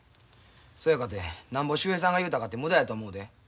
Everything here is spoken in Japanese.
そやかてなんぼ秀平さんが言うたかて無駄やと思うで。